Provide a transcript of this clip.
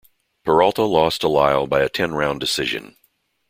Peralta lost to Lyle by a ten round decision.